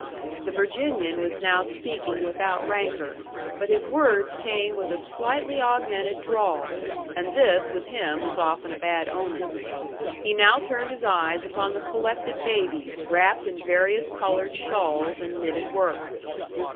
The Virginian was now speaking without rancor; but his words came with a slightly augmented drawl, and this with him was often a bad omen. He now turned his eyes upon the collected babies wrapped in various colored shawls and knitted work.